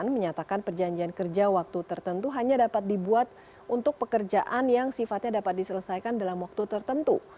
menyatakan perjanjian kerja waktu tertentu hanya dapat dibuat untuk pekerjaan yang sifatnya dapat diselesaikan dalam waktu tertentu